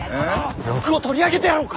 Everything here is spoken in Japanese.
禄を取り上げてやろうか。